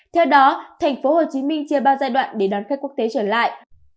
theo đó tp hcm chia ba giai đoạn để đón khách quốc tế trở lại